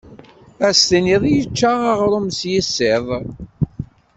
Ad s-tiniḍ yečča aɣrum n yisiḍ!